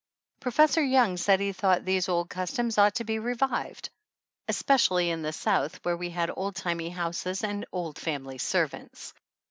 Professor Young said he thought these old customs ought to be revived, especially in the South, where we had old timey houses and old family servants.